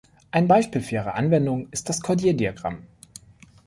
Ein Beispiel für ihre Anwendung ist das Cordier-Diagramm.